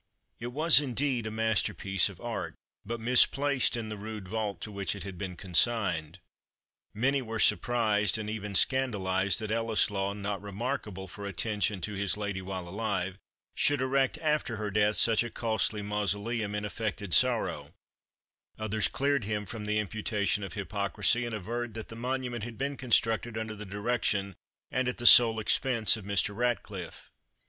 It was, indeed, a masterpiece of art, but misplaced in the rude vault to which it had been consigned. Many were surprised, and even scandalized, that Ellieslaw, not remarkable for attention to his lady while alive, should erect after her death such a costly mausoleum in affected sorrow; others cleared him from the imputation of hypocrisy, and averred that the monument had been constructed under the direction and at the sole expense of Mr. Ratcliffe.